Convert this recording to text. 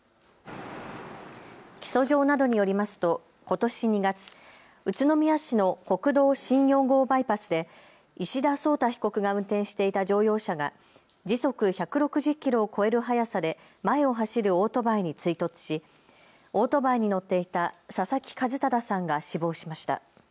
起訴状などによりますとことし２月、宇都宮市の国道新４号バイパスで石田颯汰被告が運転していた乗用車が時速１６０キロを超える速さで前を走るオートバイに追突しオートバイに乗っていた佐々木一匡さんが死亡しました。